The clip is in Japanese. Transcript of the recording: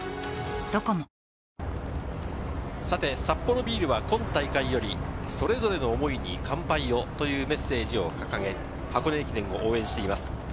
サッポロビールは今大会より「それぞれの想いに、乾杯を」というメッセージを掲げ、箱根駅伝を応援しています。